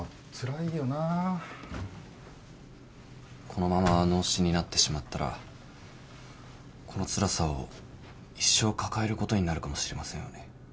このまま脳死になってしまったらこのつらさを一生抱えることになるかもしれませんよね。